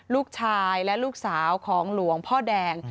ลูกชายและลูกสาวของหลวงพ่อแดง